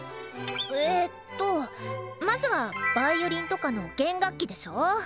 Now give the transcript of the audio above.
えとまずはヴァイオリンとかの弦楽器でしょ。